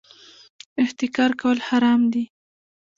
احتکار کول حرام دي